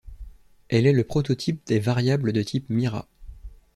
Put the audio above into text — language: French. Elle est le prototype des variables de type Mira.